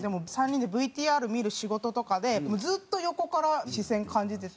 ３人でＶＴＲ見る仕事とかでずっと横から視線感じてて。